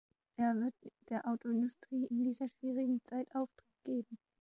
Er wird der Autoindustrie in dieser schwierigen Zeit Auftrieb geben.